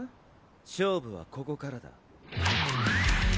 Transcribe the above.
勝負はここからだ。